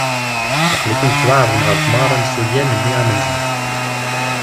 Aql-iken tettwaɛerḍem ɣer tmeɣra n tissulya n mmi amenzu.